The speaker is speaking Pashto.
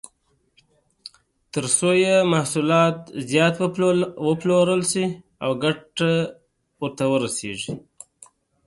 څو یې محصولات زیات وپلورل شي او ګټه ورته ورسېږي.